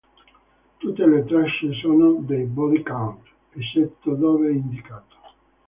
Tutte le tracce sono dei Body Count, eccetto dove indicato.